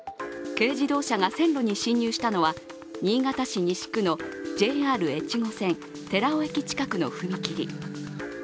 軽自動車が線路に進入したのは新潟市西区のＪＲ越後線・寺尾駅の近くの踏切。